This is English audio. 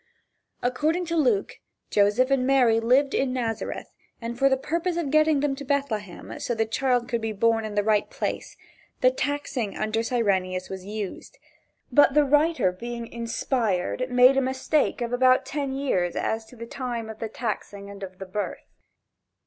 According to Luke, Joseph and Mary lived in Nazareth, and for the purpose of getting them to Bethlehem, so that the child could be born in the right place, the taxing under Cyrenius was used, but the writer, being "inspired" made a mistake of about ten years as to the time of the taxing and of the birth.